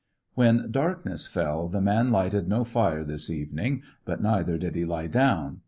When darkness fell, the man lighted no fire this evening. But neither did he lie down.